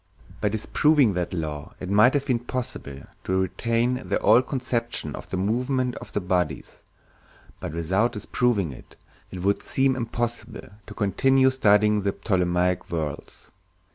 By disproving that law it might have been possible to retain the old conception of the movements of the bodies, but without disproving it, it would seem impossible to continue studying the Ptolemaic worlds.